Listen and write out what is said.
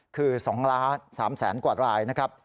คือ๒๓ล้านกว่ารายนะครับ